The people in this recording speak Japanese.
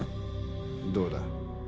どうだ？